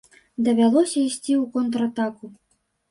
Давялося ісці ў контратаку.